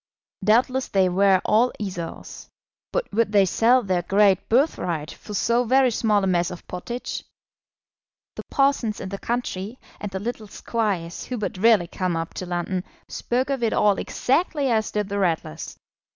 Doubtless they were all Esaus; but would they sell their great birthright for so very small a mess of pottage? The parsons in the country, and the little squires who but rarely come up to London, spoke of it all exactly as did the Ratlers.